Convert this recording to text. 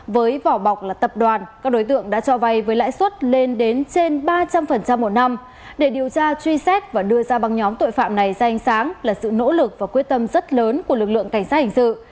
với vỏ bọc là tập đoàn các đối tượng đã cho vay với lãi suất lên đến trên ba trăm linh một năm để điều tra truy xét và đưa ra băng nhóm tội phạm này ra ánh sáng là sự nỗ lực và quyết tâm rất lớn của lực lượng cảnh sát hình sự